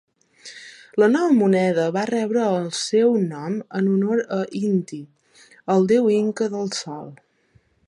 La nova moneda va rebre el seu nom en honor a Inti, el deu inca del sol.